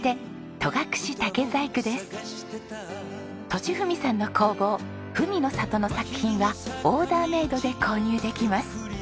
利文さんの工房文の郷の作品はオーダーメードで購入できます。